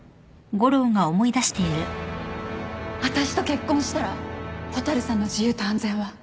私と結婚したら蛍さんの自由と安全は約束する